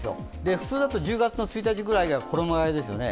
普通だと１０月の１日ぐらいが衣がえですよね。